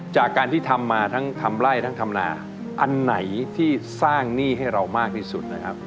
จากการที่ทำมาทั้งทำไล่ทั้งทำนาอันไหนที่สร้างหนี้ให้เรามากที่สุดนะครับ